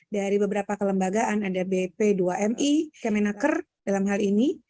dari beberapa kelembagaan ada bp dua mi kemenaker dalam hal ini